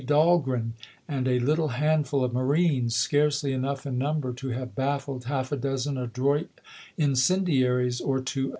Dahlgren and a little handful of marines, scarcely enough in number to have bafiSed half a dozen adroit incendiaries, or to as 142 ABEAHAM LINCOLN J.